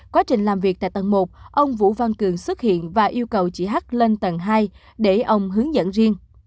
quá trình làm việc tại tầng một ông vũ văn cường xuất hiện và yêu cầu chị h lên tầng hai để ông hướng dẫn riêng